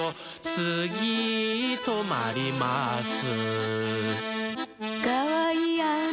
「つぎとまります」